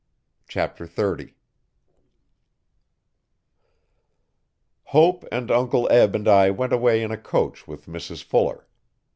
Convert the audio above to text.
Chapter 30 Hope and Uncle Eb and I went away in a coach with Mrs Fuller.